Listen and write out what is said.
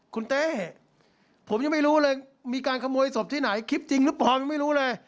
คุณเต้ผมยังไม่รู้เลยมีการขโมยศพที่ไหนคลิปจริงหรือเปล่ายังไม่รู้เลย